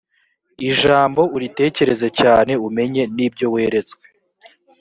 ijambo uritekereze cyane umenye n’ibyo weretswe